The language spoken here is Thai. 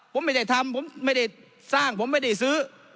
ผมไม่ได้ทำผมไม่ได้สร้างผมไม่ได้ซื้อ